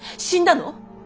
死んだの？